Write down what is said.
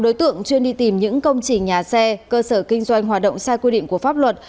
đối tượng chuyên đi tìm những công trình nhà xe cơ sở kinh doanh hoạt động sai quy định của pháp luật